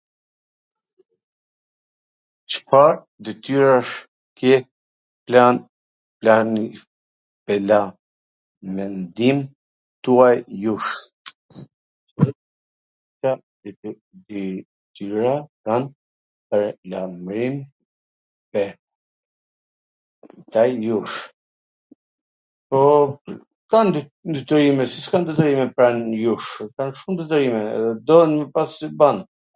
Cfar detyra ke me ... ndaj jush? Poo, kam detyrime, si s kam detyrime pran jush... Kam shum detyrime, duhet me pas IBAN...